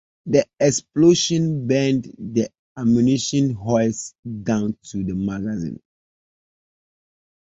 The explosion burned the ammunition hoist down to the magazine.